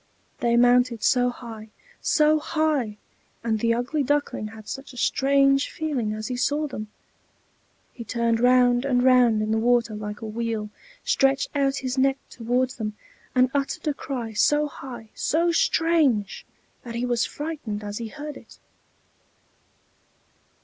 They mounted so high, so high! and the ugly Duckling had such a strange feeling as he saw them! He turned round and round in the water like a wheel, stretched out his neck towards them, and uttered a cry, so high, so strange, that he was frightened as he heard it.